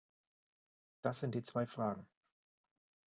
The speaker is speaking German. Das sind die zwei Fragen.